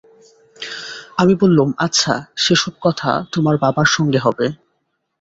আমি বললুম, আচ্ছা, সে-সব কথা তোমার বাবার সঙ্গে হবে।